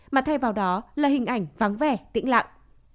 mà thay vào đó là hình ảnh vắng vẻ tĩnh lặng